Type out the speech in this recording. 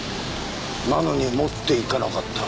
なのに持って行かなかった。